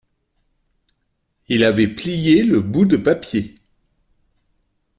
Il avait plié le bout de papier.